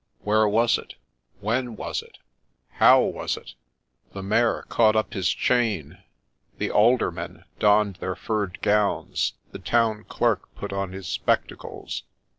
' Where was it ?'—' When was it ?'—' How was it ?' The Mayor caught up his chain, the Aldermen donned their furred gowns, the Town Clerk put on his spectacles.